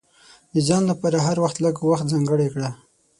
د ځان لپاره هره ورځ لږ وخت ځانګړی کړه.